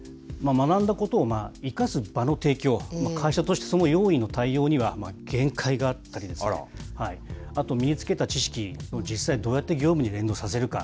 学んだことを生かす場の提供、会社としてそのよういの対応には限界があったりですね、あと身につけた知識、実際にどうやって業務に連動させるか。